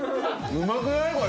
うまくない⁉これ！